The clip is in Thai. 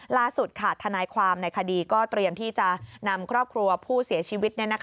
ทนายความในคดีก็เตรียมที่จะนำครอบครัวผู้เสียชีวิต